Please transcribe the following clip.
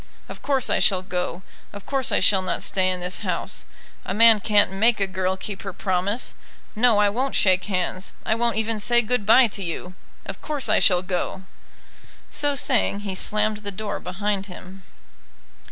Of course I shall go. Of course I shall not stay in this house. A man can't make a girl keep her promise. No I won't shake hands. I won't even say good bye to you. Of course I shall go." So saying he slammed the door behind him.